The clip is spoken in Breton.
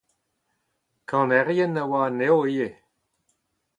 Kanerien a oa anezho ivez.